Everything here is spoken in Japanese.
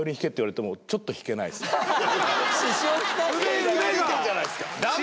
支障来してんじゃないですか。